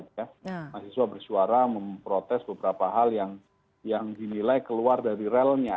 mahasiswa bersuara memprotes beberapa hal yang dinilai keluar dari relnya